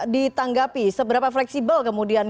ditanggapi seberapa fleksibel kemudian